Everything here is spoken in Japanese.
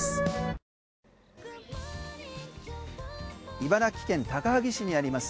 茨城県高萩市にあります